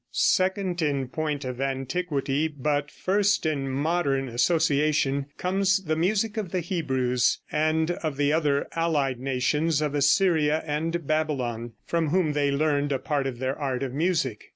Second in point of antiquity, but first in modern association, comes the music of the Hebrews, and of the other allied nations of Assyria and Babylon, from whom they learned a part of their art of music.